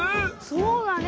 そうだね！